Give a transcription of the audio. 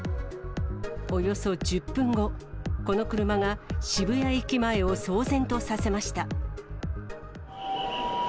およそ１０分後、この車が渋谷駅前を騒然とさせました。